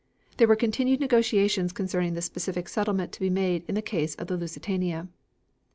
There were continued negotiations concerning the specific settlement to be made in the case of the Lusitania.